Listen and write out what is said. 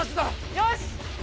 よし！